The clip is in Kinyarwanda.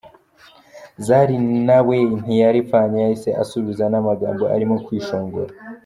Zari nawe ntiyaripfanye yahise asubiza n'amagambo arimo kwishongora.